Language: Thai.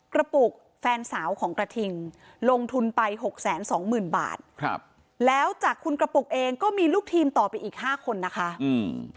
กระปุกแฟนสาวของกระทิงลงทุนไปหกแสนสองหมื่นบาทครับแล้วจากคุณกระปุกเองก็มีลูกทีมต่อไปอีกห้าคนนะคะอืม